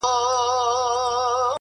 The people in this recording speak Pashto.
• نه دي پوښتنه ده له چا کړې,